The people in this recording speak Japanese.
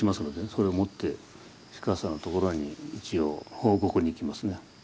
それを持って知客さんのところに一応報告に行きますね。